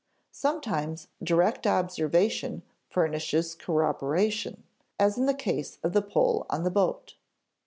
Sometimes direct observation furnishes corroboration, as in the case of the pole on the boat.